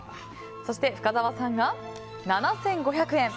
深澤さんが７５００円。